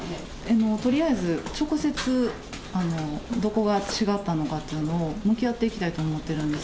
とりあえず、直接どこが違ったのかというのを向き合っていきたいと思ってるんです。